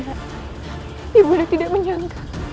aku akan menang